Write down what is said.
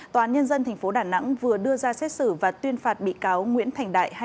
tòa án nhân dân tp đà nẵng vừa đưa ra xét xử và tuyên phạt bị cáo nguyễn thành đại